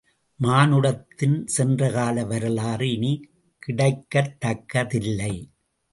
மானுடத்தின் சென்ற கால வரலாறு இனி கிடைக்கத்தக்கதில்லை.